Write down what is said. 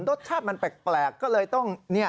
รสชาติมันแปลกก็เลยต้อง